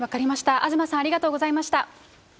東さん、ありがとうございました。